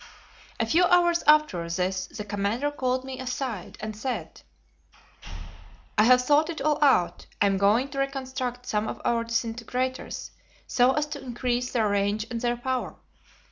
A few hours after this the commander called me aside, and said: "I have thought it all out. I am going to reconstruct some of our disintegrators, so as to increase their range and their power.